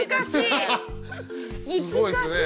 難しい。